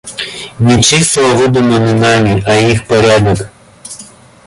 Не числа выдуманы нами, а их порядок.